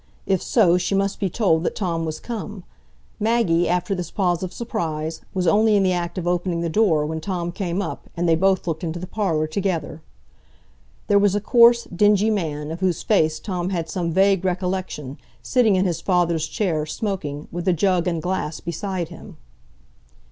If so, she must be told that Tom was come. Maggie, after this pause of surprise, was only in the act of opening the door when Tom came up, and they both looked into the parlour together. There was a coarse, dingy man, of whose face Tom had some vague recollection, sitting in his father's chair, smoking, with a jug and glass beside him.